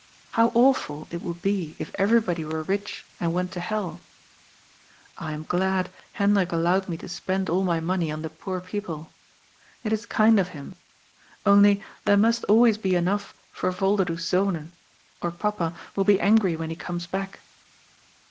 How awful it would be if everybody were rich and went to hell. I am glad Hendrik allowed me to spend all my money on the poor people. It is kind of him. Only there must always be enough for Volderdoes Zonen, or papa will be angry when he comes back."